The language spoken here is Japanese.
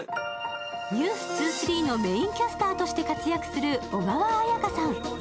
「ｎｅｗｓ２３」のメインキャスターとして活躍する小川彩佳さん。